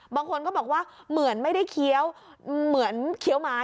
บางคนก็บอกว่าเหมือนไม่ได้เคี้ยวเหมือนเคี้ยวไม้